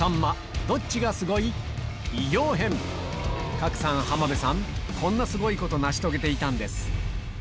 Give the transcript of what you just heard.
賀来さん浜辺さんこんなすごいこと成し遂げていたんです